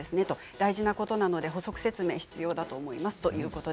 大事なことなので説明が必要だと思います。